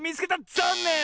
ざんねん！